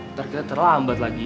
ntar kita terlambat lagi